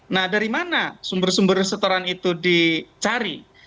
nah dari mana sumber sumber setoran itu dicari